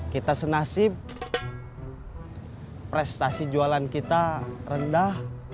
kita senasib prestasi jualan kita rendah